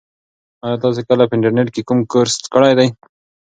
ایا تاسي کله په انټرنيټ کې کوم کورس کړی دی؟